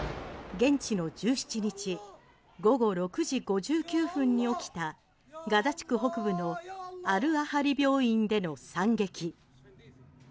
現地の１７日午後６時５９分に起きたガザ地区北部のアル・アハリ病院での惨劇。